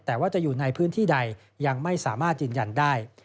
แต่ว่าจะอยู่ในพื้นที่ใดยังไม่สามารถยืนยันได้